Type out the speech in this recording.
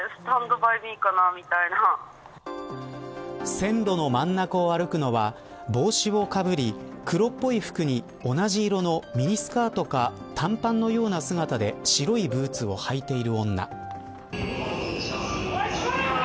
線路の真ん中を歩くのは帽子をかぶり黒っぽい服に、同じ色のミニスカートか短パンのような姿で白いブーツをはいている女。